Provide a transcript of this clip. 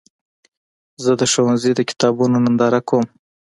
زه د ښوونځي د کتابونو ننداره کوم.